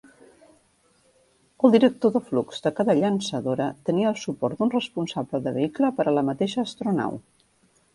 El director de flux de cada llançadora tenia el suport d'un responsable de vehicle per a la mateixa astronau.